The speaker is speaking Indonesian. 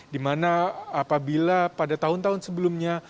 di mana apabila pada tahun tahun sebelumnya